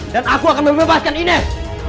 dan aku akan membebaskan ines